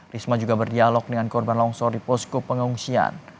risma juga berdialog dengan korban longsor di posko pengungsian